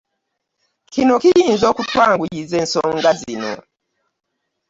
Kino kiyinza okutwanguyiza ensonga zino.